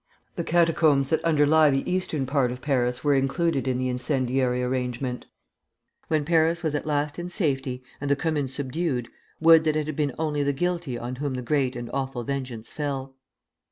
The catacombs that underlie the eastern part of Paris were included in the incendiary arrangement. When Paris was at last in safety, and the Commune subdued, would that it had been only the guilty on whom the great and awful vengeance fell!